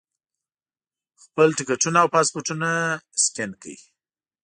خپل ټکټونه او پاسپورټونه سکین کړي.